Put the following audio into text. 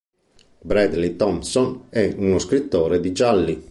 Bradley Thompson è uno scrittore di gialli.